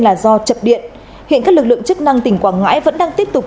là do chập điện hiện các lực lượng chức năng tỉnh quảng ngãi vẫn đang tiếp tục